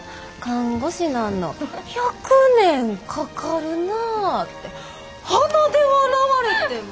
看護師なんの１００年かかるなぁ」て鼻で笑われてん。